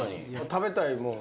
食べたいもん。